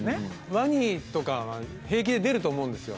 ワニとか平気で出ると思うんですよ